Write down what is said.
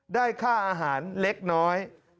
ได้ค่าอาหารเล็กน้อย